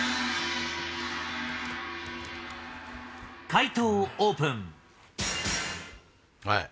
解答をオープン。